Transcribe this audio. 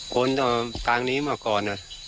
คนตรงนี้มาก่อน